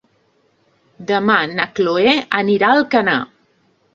Demà na Cloè anirà a Alcanar.